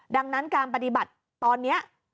ดังนั้นการปฏิบัติตอนนี้